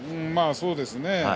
そうですね